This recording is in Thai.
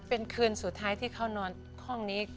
เป็นคืนสุดท้ายที่เขานอนห้องนี้